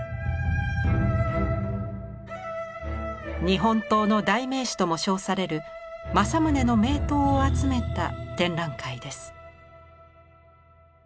日本刀の代名詞とも称される正宗の名刀を集めた展覧会です。